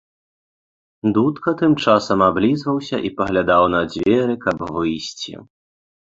Дудка тым часам аблізваўся і паглядаў на дзверы, каб выйсці.